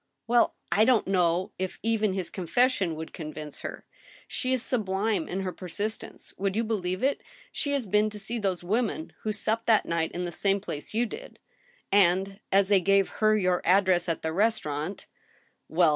" Well I I don't know if even his confession would convince her. She is sublime in her persistence. Would you believe it ? ^e has been to see those women who supped that night in the same place AN ILL UMINA TION. 155 you did, ... and, as they gave her your address at the restau rant—" '•Well